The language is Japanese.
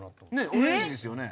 オレンジですよね。